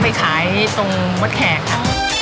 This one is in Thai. ไปขายตรงมดแขกค่ะ